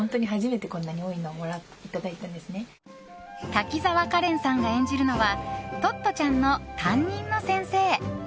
滝沢カレンさんが演じるのはトットちゃんの担任の先生。